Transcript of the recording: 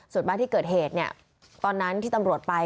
ส่วนบ้านที่เกิดเหตุเนี่ยตอนนั้นที่ตำรวจไป